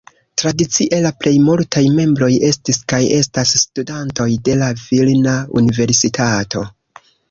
Tradicie la plej multaj membroj estis kaj estas studantoj de la Vilna Universitato.